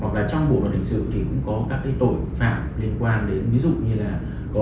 hoặc là trong bộ luật hình sự thì cũng có các cái tội phạm liên quan đến ví dụ như là có